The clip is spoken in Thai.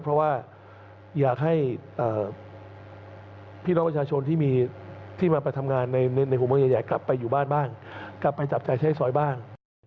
เพราะว่าอยากให้พี่รับประชาชนที่มาทำงานในหุมเบื้องใหญ่ไปอยู่บ้านบ้างกลับไปจับชายใช้สอยบ้าง